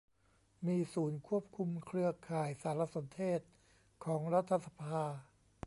มีศูนย์ควบคุมเครือข่ายสารสนเทศของรัฐสภา